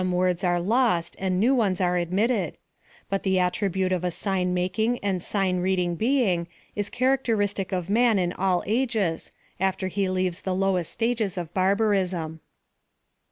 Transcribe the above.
265 are lost and new ones are admitted ; but the attri bute of a sign making and sign reading being is characteristic of man in all ages, after be leaves the lowest stages of barbarism.